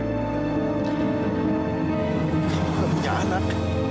kamu gak punya anak